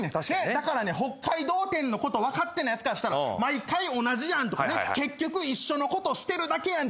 だから北海道展のこと分かってないやつからしたら毎回同じやんとかね結局一緒のことしてるだけやんって言われるんやから。